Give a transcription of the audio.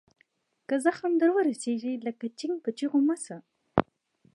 که زخم در ورسیږي لکه چنګ په چیغو مه شه.